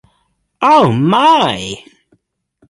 Oh my!